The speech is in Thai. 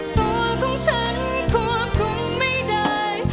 ตัวของฉันควบคุมไม่ได้